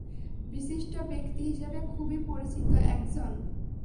বিশিষ্ট ব্যক্তি হিসেবে খুবই পরিচিত একজন।